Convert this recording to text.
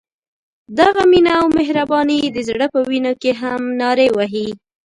دغه مینه او مهرباني د زړه په وینو کې هم نارې وهي.